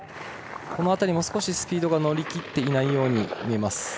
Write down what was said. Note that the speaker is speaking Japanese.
この辺りも少しスピードが乗り切っていないように見えます。